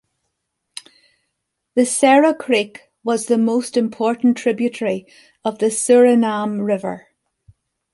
The Sara Creek was the most important tributary of the Suriname River.